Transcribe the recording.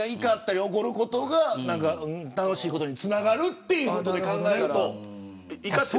怒ることが楽しいことにつながるということで考えると。